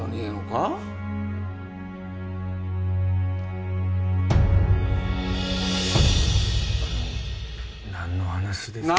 あの何の話ですか？